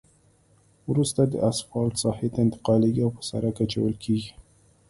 وروسته دا اسفالټ ساحې ته انتقالیږي او په سرک اچول کیږي